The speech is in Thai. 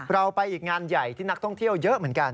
เราไปอีกงานใหญ่ที่นักท่องเที่ยวเยอะเหมือนกัน